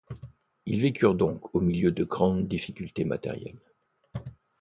Ils vécurent donc au milieu de grandes difficultés matérielles.